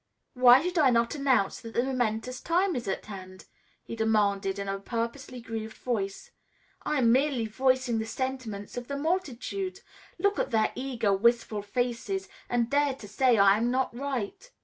"Why should I not announce that the momentous time is at hand?" he demanded in a purposely grieved voice. "I am merely voicing the sentiments of the multitude. Look at their eager, wistful faces and dare to say I am not right."